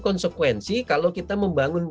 konsekuensi kalau kita membangun